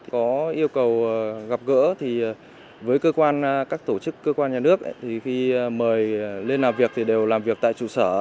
có yêu cầu gặp gỡ thì với cơ quan các tổ chức cơ quan nhà nước thì khi mời lên làm việc thì đều làm việc tại trụ sở